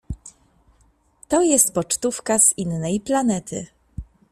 — To jest pocztówka z innej planety.